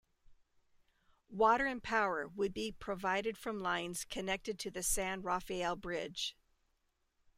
Water and power would be provided from lines connected to the San Rafael Bridge.